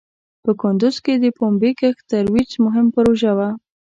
په کندوز کې د پومبې کښت ترویج مهم پروژه وه.